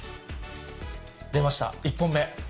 出ました、１本目。